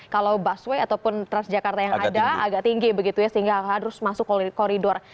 kalau busway ataupun transjakarta yang ada agak tinggi begitu ya sehingga harus masuk koridor